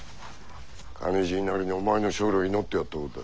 カニ爺なりにお前の勝利を祈ってやったことだ。